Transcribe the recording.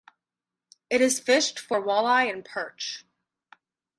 It is fished for walleye and perch.